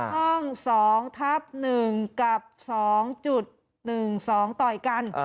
ห้อง๒ทับ๑กับ๒๑๒ต่อยกัน